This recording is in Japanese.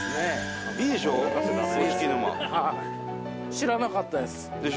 知らなかったです。